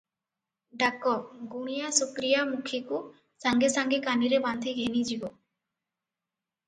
ଡାକ, ଗୁଣିଆ ଶୁକ୍ରିଆ ମୁଖୀକୁ, ସାଙ୍ଗେ ସାଙ୍ଗେ କାନିରେ ବାନ୍ଧି ଘେନିଯିବ ।